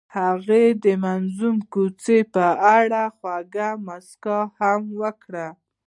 هغې د موزون کوڅه په اړه خوږه موسکا هم وکړه.